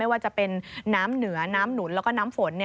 ว่าจะเป็นน้ำเหนือน้ำหนุนแล้วก็น้ำฝน